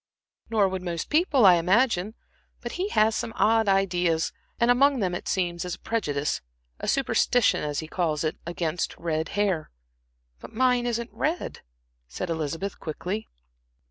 "Nor would most people, I imagine. But he has some odd ideas, and among them, it seems, is a prejudice a superstition, as he calls it against red hair." "But mine isn't red," said Elizabeth, quickly.